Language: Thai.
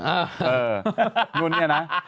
เออนู่นนี่นะ